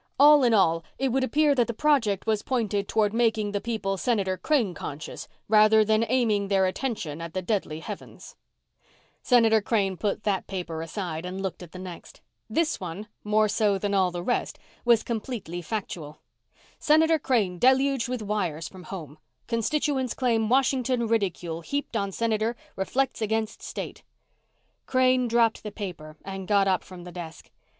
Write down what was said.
All in all, it would appear that the project was pointed toward making the people Senator Crane conscious rather than aiming their attention at the deadly heavens. Senator Crane put that paper aside and looked at the next. This one, more so than all the rest, was completely factual: SENATOR CRANE DELUGED WITH WIRES FROM HOME CONSTITUENTS CLAIM WASHINGTON RIDICULE HEAPED ON SENATOR REFLECTS AGAINST STATE. Crane dropped the paper and got up from the desk.